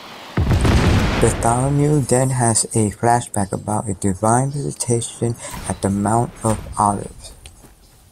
Bartholomew then has a flashback about a divine visitation at the Mount of Olives.